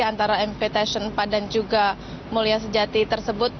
antara mpt s empat dan juga mulia sejati tersebut